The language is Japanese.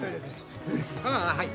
ああはい。